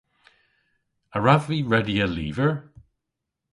A wrav vy redya lyver?